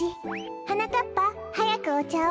はなかっぱはやくおちゃを。